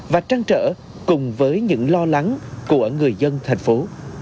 và trăng trở cùng với những lo lắng của người dân thành phố